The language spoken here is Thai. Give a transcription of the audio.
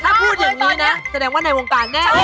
ถ้าพูดอย่างนี้นะแสดงว่าในวงการแน่นอน